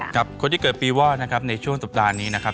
กับคนที่เกิดปีว่านะครับในช่วงสัปดาห์นี้นะครับ